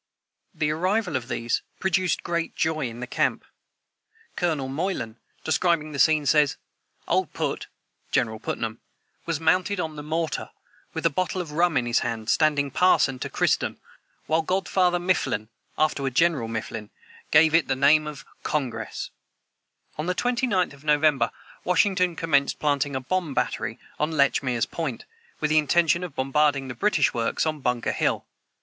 The arrival of these produced great joy in the camp. Colonel Moylan, describing the scene, says: "Old PUT [General Putnam] was mounted on the mortar, with a bottle of rum in his hand, standing parson to christen, while god father Mifflin [afterward General Mifflin] gave it the name of Congress." On the 29th of November, Washington commenced planting a bomb battery on Lechmere's point, with the intention of bombarding the British works on Bunker hill.